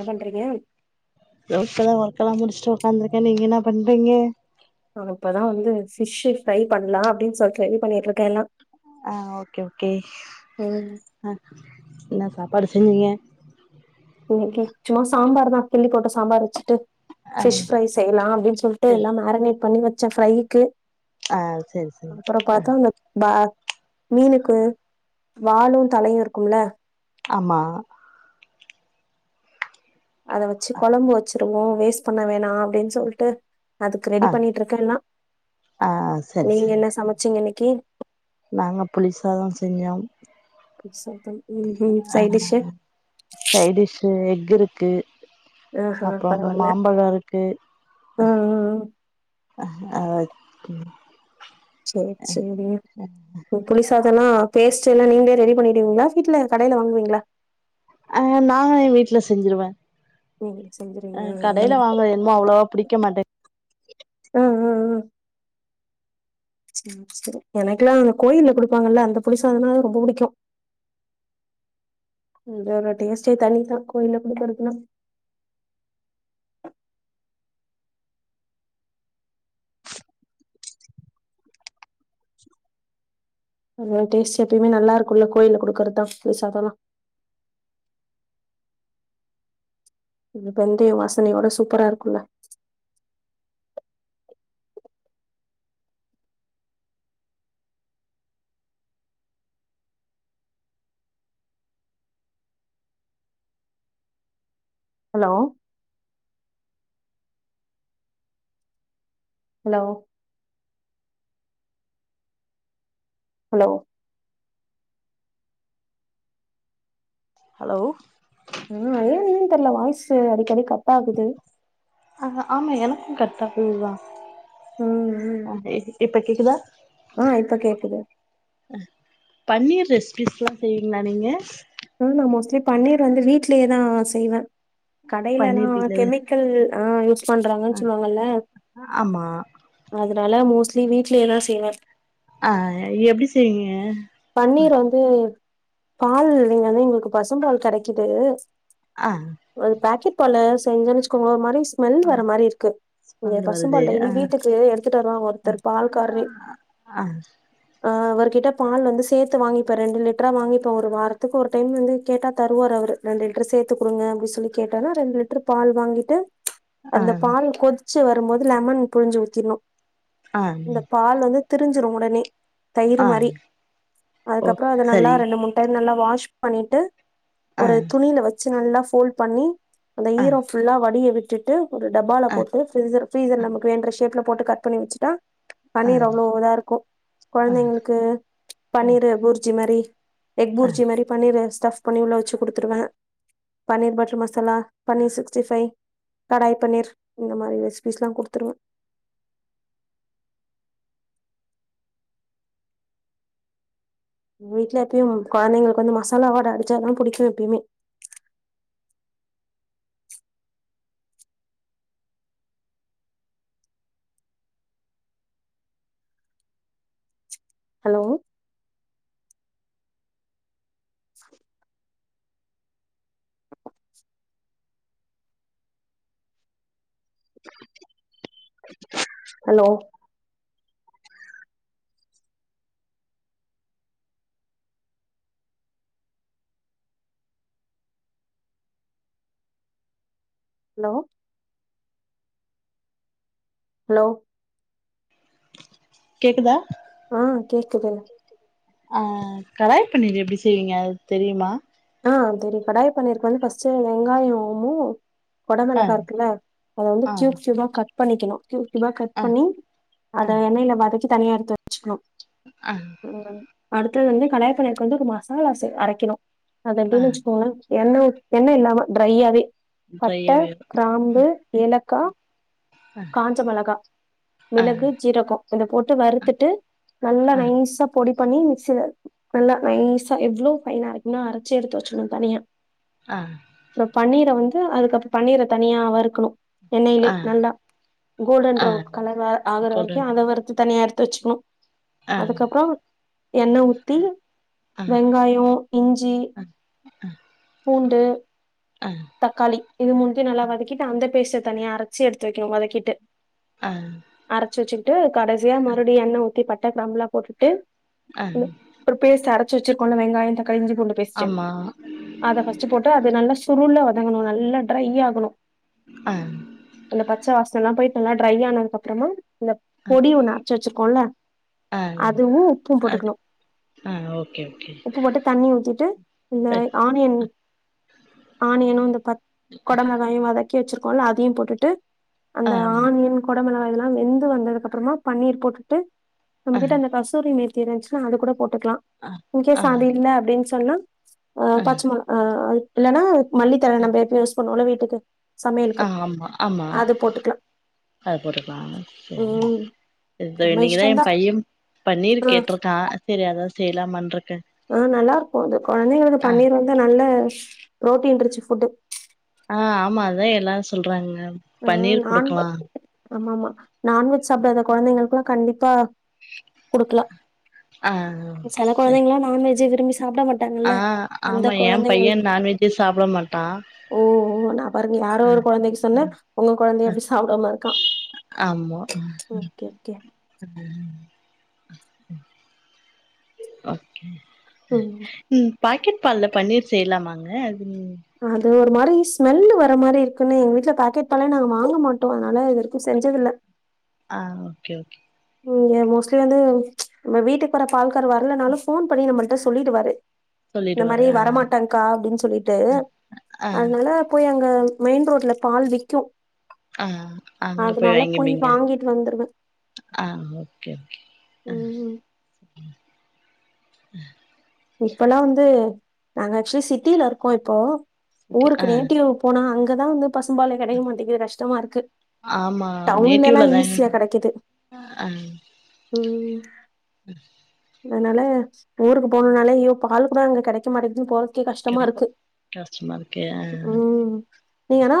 என்ன பண்றீங்க ஒர்க்கல்லா ஒர்க்கெல்லாம் முடிச்சு சு உடக்காந்துருக்கே நீங்க என்ன பண்றீங்க நானு இப்பதா வந்து பிஷ்சு ஃப்ரை பண்ணலா அப்டின்னு சொல்லிட்டு ரெடி பண்ணிட்டு இருக்கேல்லா ஆஹ் ஓகே ஓகே ம் ஆஹ் என்ன சாப் படுசுனீங்க இன்னைக்கு சும்மா சாம்பார் தான் கில்லி போட்ட சாம்பார் வச்சிட்டு ஆ பிஷ் ஃப்ரை செய்யலாம் அப்டின்னு சொல்ட்டு எல்லாம் மேரினேட் பண்ணி வ ச்சே ஃப்ரையிக்கு ஆ செரி செரி அப்புறம் ஆ பாத்தா இந்த பே மீனுக்கு வாழும் தலையும் இருக்கும்ல ஆமா அத வச்சு குழம்பு வச்சுருவோம் வேஸ்ட் பண்ண வேணாம் அப்டின்னு சொல்ட்டு அதுக்கு ரெடி ஆ பண்ணிட்டு இருக்கே எல்லா ஆ செரி நீங்க செரி என்ன சமைச்சிங்க இன்னக்கி நாங்க புளிசாதான் செஞ்சோம் ம் ம் சைட் டிஷ்ஷு ஆஹ் சைடிஷு எக் இருக்கு ஆஹா அப்புறம் பரவால்ல மாம்பழோ இருக்கு ம் ம் ம் அஹ் ஓகே சேர் சேரி உ புளி சாதோ அதெல்லாம் பேஸ்ட் எல்லாம் நீங்களே ரெடி பண்ணிடுவீங்களா வீட்ல கடேல வாங்குவீங்களா அஹ் நானு என் வீட்ல செஞ்சிருவேன் நீங்களே செஞ்சுருவீங்க அஹ் கடேல வாங்கற என்னுமோ அவ்ளோவா பிடிக்க மாட்டேன் ஆஹ் ஆஹ் ஆஹ் சேர் சேர் எனக்கெல்லாம் அந்த கோயில்ல குடுப்பாங்கல்ல அந்த புளி சாதனா ரொம்ப புடிக்கும் அதோட டேஸ்டே தனிதான் கோயில்ல குடுக்கறதுன்னா அதோட டேஸ்டு எப்பயுமே நல்லா இருக்குல்ல கோயில்ல குடுக்கறதுதான் புளி சாதம்லாம் [unintelligible] வெந்தயம் வாசனையோட சூப்பரா இருக்கும்ல ஹலோ ஹலோ ஹலோ ஹலோ ஆஹ் ஏன் ஏன் தெர்ல வாய்ஸு அடிக்கடி கட் ஆகுது ஆ ஆமா எனக்கும் கட்டாகுதுதா ஆஹ இப்ப கேக் கேக்குதா ஆஹ் இப்ப கேக்குது பன்னீர் ரெசிபிஸ்ல்லா செய்வீங்களா நீங்க ஆஹ் நான் மோஸ்ட்லி பன்னீர் வந்து வீட்லயேதான் செய்வேன் பன்னீர் கடையிலல்லாம் வீட்ல கெமிக்கல் ஆஹ் யூஸ் ஆ பண்றாங்கன்னு சொல்லுவாங்கல்ல ஆமா அதுனால மோஸ் லீ வீட்லயேதா செய்வேன் அஹ் எப்டி செய்வீங்க பன்னீர் வந்து பால் இல்லைங்கனா எங்களுக்கு பசும் பால் கிடைக்குது ஆ ஒரு பாக்கெட் பால செஞ்சுனுச்சுோங்களோ ஒரு மாரி ஸ்மெல் வர மாரி இருக்கு நீங்க ஸ்மெல் வருது பசும்பால் டெய்லி ஆ வீட்டுக்கு எடுத்துட்டு வருவாங்க ஒருத்தர் பால் காரே ஆ ஆஹ் அவர்கிட்ட பால் வந்து சேர்த்து வாங்கிப்பேன் ரெண்டு லிட்டரா வாங்கிப்பேன் ஒரு வாரத்துக்கு ஒரு டைம் வந்து கேட்டா தருவார் அவரு ரெண்டு லிட்டர் சேர்த்து கொடுங்க அப்படின்னு சொல்லி கேட்டா ரெண்டு லிட்டர் பால் வாங்கிட்டு ஆ அந்த பால் கொதி வரும்போது லெமன் புழஞ்ச ஊத்திடணும் ஆ இந்த பால் வந்து திரிஞ்சிடு உடனே தயிர் ஆ மாறி ஓ அதுக்கப்புறம் அது நல்லா சரி ரெண்டு மூ நல்லா வாஷ் பண்ணிட்டு ஆ ஒரு துணியில வச்சு நல்லா ஃபோல்ட் பண்ணி அந்த ஆ ஈரம் ஃபுல்லா வடிய விட்டு விட்டுட்டு ஒரு டப்பால ஆ போட்டு பீரீசர் நமக்கு வேன்ற ஷேப்ல போட்டு கட் பண்ணி வச்சுட்டா ஆ பன்னீர் அவ்ளவு இதான் இருக்கும் ஆ குழந்தைங்களுக்கு பன்னீர் புரிஜி மாறி எக் ஆ பூர்ஜி மாரி பன்னீர் ரஸ் ஸடப் பண்ணி உள்ள வச்சி குடுத்துருவ பன்னீர் பட்டர் மசாலா பன்னீர் சிக்ஸ்டிஃபை கடாய் பன்னீர் இந்த மாரி ரெசிபிஸ்லா குடுத்துருவ வீட்டு்ல எப்பயும் குழந்தைங்களுக்கு வந்து மசாலாவட அடிச்சாலல்லாம் புடிக்கும் எப்பயுமே ஹலோ சரி ஹலோ ஹலோ ஹலோ கேக்குதா ஆஹ் கேக்குதுங்க ஆஹ் கடாய பன்னீர் எப்டி செய்வீங்க அ தெரியுமா ஆஹ் தெரியும் கடாய் பன்னீர்க்கு வந்து பர்ஸ்ட் வெங்காயம் ஓம கொட ஆ மிளகா இருக்குல்ல அத வந்து ஆ சியூப் சியூபா கட் பண்ணிக்கணும் கியூபு கியூபா கட் ஆ பண்ணி ஆ அத எண்ணயல வதக்கி தனிய எடுத்து வச்சுக்கணும் ஆ உஹ் அடுத்தது வந்து கடாய பண்ணக்கு வந்து ஒரு மசாலா செ அரைக்கணும் அது ஆ எப்படின்னு வச்சுக்கோங்களேன் எண்ண எண்ண இல்லாம ட்ரையாவே பட்ட ட்ரையா வேகு கிராம்பு ஏலக் க்கா ஆ காஞ்ச மிளகா ஆ மிளகு ஜீரகம் இதை போட்டு வருறுத்துட்டு நல்லா ஆ நைசா பொடி பண்ணி மிக்சில நல்லா நைசா எவ்வளோ பைனக்கும்னோ அரைச்சு எடுத்து வச்சுணும் தனியா ஆ அப்புறோ பன்னீர் வந்து அதுக்கு அப்ப பன்னீர தனியாவா வருக்கணும் எண்ணயிலே ஆ நல்லா கோல்டன் ஆ பிரவுன் கலர் ஆகுற வரைக்கும் கோல்டன் அத வருத்து த தனியா எடுத்து வச்சுக்கணும் ஆ அதுக்கப்புறோ எண்ண ஊத்தி ஆ வெங்காயம் இஞ்சி பூண்டு ஆ ட்டு தக்காளி இது முணுதயும் நல்ல வதக்கிட்டு அந்த பேஸ்ட தனியா அர அரச்சு எடுத்து வைக்கணும் வதக்கி கிட்டு ஆ அரச்சு வச்சு ட்டு கடைசிய மறுடி எண்ண ஊத்தி பட்ட பட்ட கிராம்பு எல்லா போட்டுட்டு ஆ டு ஒரு பேஸ்ட் அர அரச்சு வச்சுருக்கொல்ல வெங்காயம் தக்காளி இஞ்சி பூண்டு பேஸ்ட் ஆமா அது ஃபர்ஸ்ட் போட்டு அது நல்லா சுருடு வதக்கனும் நல்லா டைரை ஆகணும் ஆ அந்த பச்சவாசம் போயிட்டு நல்லா ட்ரை ஆனதுக்கு அப்புறமா இந்த ஆ பொடி ஒன்று அச்சு வச்சிருக்கோம்ல ஆ அதுவும் உப்பும் அது போட்டுக்கணும் ஆ ஓகே ஓகே உப்பு போட்டு தண்ணி ஊத்திட்டு இந்த ஆனியன் ஆனியனும் வந்து பத் குடம்புகாயும் வதக் க்கி வச்சிருக்கோம்ல்ல அதையும் போட்டுட்டு ஆ அந்த ஆனியன் கொட [unintelligible] மெளகாய் இதெல்லாம் வெந்து வந்ததுக்கப்பறமா பன்னீர் போட்டுட்டு ஆ ஆ நமக்கிட்ட இந்த கசூரி மேத் தி இருந்துச்சுனா அது கூட போட் டுக்லா ஆ ஆ இன்கேஸ் அது இல்ல அப்டின் சொன்னா அ ஆ பச்ச மொள ஆ அ இல்லனா மல்லித்தழ நம்ப எப்பயு யூஸ் பண்ணுவோல்ல வீட் துக்கு ஆ சமையலுக்கு ஆமா ஆமா அத போட் அது போட்டுக்லா சேரி ம் தோ நம்ம இன்னக்கிதா ஏம் இஷ்டந்தா பையம் பன்னீர் ஆ கேட்ருக்கா சேரி அதா செய்லாமான்ருக் ஆ நல்லாருக்கு அது கொழந்தைகளுக்கு ஆ பன்னீர் வந்து நல்ல ப்ரோட்டீன் ரிச்சு ஃபுட்டு ஆ ஆமா அதா எல்லாரு சொல்றாங்க பன்னீர் குடுக்கலா ஆமாமா நான்வெஜ் சாப்டாத கொழந்தைங்களுக்குல்லா கண்டிப்பா குடுக்கலா அ செல கொழந்தைங்களா நான் வெஜ்ஜே விரும்பி சாப்ட மாட்டாங்கல்ல ஆ அந்த ஆமா என் பைய கொழந்தைங்களுக் நான்வெஜ்ஜே சாப்பிட மாட்டா ஓ ஓ நா பாருங்க யாரோ ஆ ஒரு கொழந்தைக்கி ஆ சொன்ன உங்க கொழந்தையே ஆ எப்டி சாப்டாம இருக்கா ஓகே ஓகே ம் ஓகே ம் ம் பாக்கெட் பாலல் பன்னீர் செய்லாமாங்க ம் அது ஒரு மாரி ஸ்மெல்லு வர மாரி இருக்குன்னு எங் வீட்ல பாக்கெட் பாலே நாங்க வாங்க மாட்டோ அத்னால இது வரிக்கு செஞ்சதுல்ல அ ஓக்கே ஓகே இங்க மோஸ்ட்லி வந்து நம்ம வீட்டுக் வர பால்கார் வர்லனாலு ஃபோன் பண்ணி நம்மள்ட்ட சொல்லிடுவாரு இந்த சொல்லிடுவாரு மாரி ஆ வரமாட்டங்க்கா அப்டின் சொல்லிட்டு ஆ அத்னால போய் அங் அ மெயின் ரோட்ல பால் விக்கு அ அங்க போய் அதனால வாங்கிப்பிங்க வாங்கிட்டு வந்துருவே அ ஓகே ஓகே அ ம் இப்பலா வந்து நாங்க ஆக்சுவலி சிட்டில இர்க்கோ இப்போ ஓகே ஆ ஊருக்கு நேட்டிவ் போனா அங் கதா வந்துப் பசும்பாலே கெடைக்க மாட்டேக்கு கஷ்டமாருக்கு ஆமா டவுன்லல்லா நேட்டிவ்ல தாங்க ஈஸியா கெடைக்குது ம் உஹம் அத்னால ஊருக்குப் போனோனாலே ஐயோ பால் கூட அங்க கடைக்க மாட்டேது போறத் கே கெடை கஷ்டமாருக்கு கஷ்டமா இருக்கு ஆ ம் நீங்கன்னா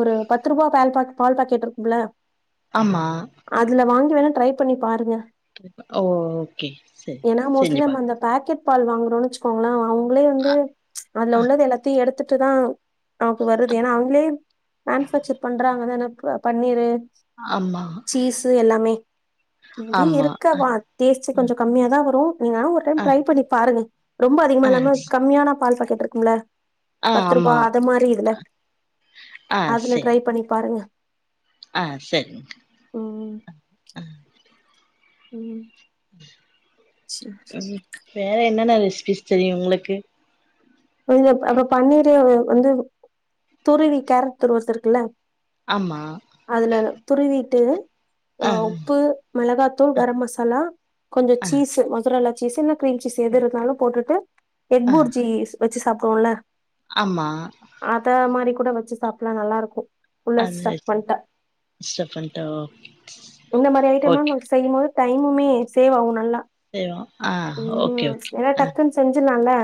ஒரு பத்துரூபா பால் பாக் பால் பாக்கெட்ருக்கும்ல ஆமா அதுல வாங்கி வேணா ட்ரை பண்ணி பாருங்க ஓ ஓகே சரி செரி நம் அந்த பேக்கெட் பால் வாங்குறோன் வச்சுக்கோங்ளே அவுங் ளே வந்து அதுல ஆ உள்ளது எல்லாத்தயூ எடுத் டுதா அவுக்கு வருது ஏனா அவங்ளே மேனுஃபேக்சர் பண்றாங்கதான ப பன்னீரு ஆமா சீஸு எல்லாமே மேபி ஆமா இருக்கா ஆ பட் டேஸ்ட்டு கொஞ்சோ கம்மியாதா வரூ நீங்க வேணா ஒரு டைம் ஆ ட்ரை பண்ணி பாருங்க ரொம்ப அதிகமா ஆ இல்லாம கம்மியான பால் பாக்கெட்ருக்கூல ஆ பத்து ரூபா ஆமா அத மாரி இதுல அதுல ட்ரை பண்ணி பாருங்க ஆ செரி ம். அஹ் ஆ ம் ம் [inaudible] வேற என்னன்ன ரெசிபிஸ் தெரியூ உங்களுக்கு உங்கப் அப்ப பன்னீரு வந்து துருவி கேரட் துருவ்றதுருக்குல்ல ஆமா அதுல துருவிட்டு ஆ உப்பு மிளகாத்தூள் கரம் மசாலா கொஞ்சோ ஆ சீஸு மொசரல்லா சீஸ் இன்னூ கிரீன் சீஸ் எது இருந்தாலு போட்டுட்டு ஆ எக்போர்ஜிஸ் வெச்சு சாப்புடோம்ல ஆமா ஆத்த மாரிதா கூட வச்சு சாப்பல்லா நல்லாருக்கு [unintelligible] இந்த மாரி ஐட்டம்லா ஓகே நமக்கு செய்யும்போது டைமுமே சேவ்வாகு நல்லா செய்வோ ஆஹ் ஓகே ஓகே ஆஹ் ஆ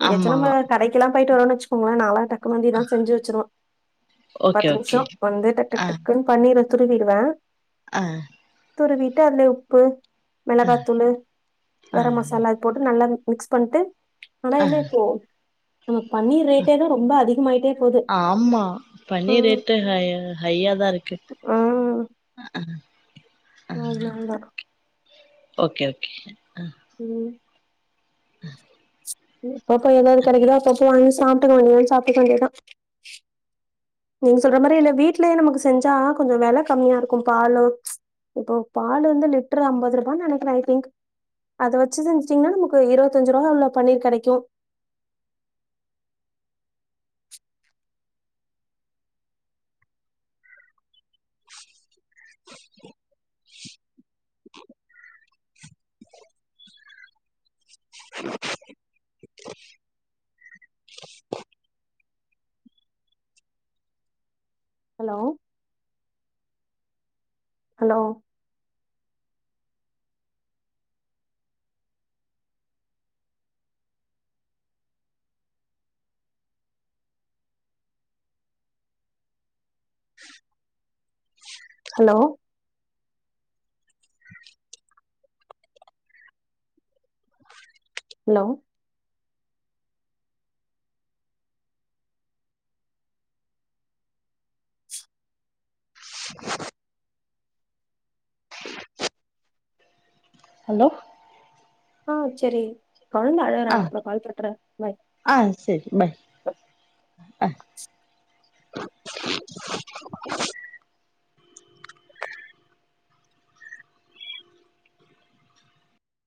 எங்கயாச்சு நம்ம கடைக்கெல்லா போயிட்டு வரோன்னு வெச்சுக்கோங்களே நாலா டக்குன்னு முந்தைய நாள் செஞ்சு வெச்சுருவோ ஓகே பத்து ஓகே நிமிஷோ வந்து டக் டக் டக்குன்னு பண்ணிற துருவிடுவேன் ஆஹ் துருவிட்டு அப்டியே உப்பு மிளகாய்த்தூளு ஆ கர மசாலா போட்டு நல்லா மிக்ஸ் பண்ட்டு ஆனா ஆ என்ன நம்ம பன்னீர் ரேட்டே தா ரொம்ப அதிகமாயிட்டே போது ஆமா பன்னீர் ம் ரேட்டு ஹ ஹையாதா இருக்கு அதனாலதா ஓகே ஓகே உம் அ எப்பப்ப ஏதாவது கெடைக்குதோ அப்பப்போ வாங்கி சாப்ட்டுக்க வேண்டியத வேண்டியதுதா சாப்பிட்டு கொண்டேதான் நீங்க சொல்ற மாதிரி இல்ல வீட்லயே நமக்கு செஞ்சா கொஞ்சோ வெல கம்மியாருக்கும் பாலு இப்போ பால வந்து லிட்ரு ஐம்பது ரூபான் நெனைக்கிறே ஐ திங்க் அத வச்சு செஞ்சுட்டீங்கன்னா நமக்கு இருபத்தஞ்சு ரூபா உள்ள பன்னீர் கெடைக்கு hello hello hello hello hello ஆஹ் செரி கொழந்த அழறா ஆ அப்பற கால் ஆ சரி பாய் ஆ [unintelligible] அ